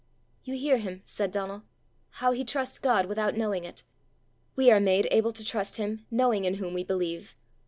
"You hear him," said Donal. " how he trusts God without knowing it! We are made able to trust him knowing in whom we believe!